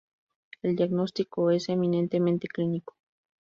El diagnóstico es eminentemente clínico.